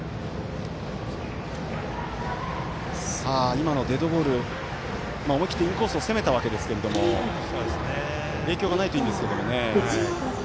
今のデッドボール思い切ってインコースを攻めたわけですけど影響がないといいんですけどね。